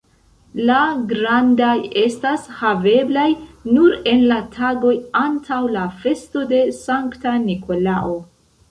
La grandaj estas haveblaj nur en la tagoj antaŭ la festo de Sankta Nikolao.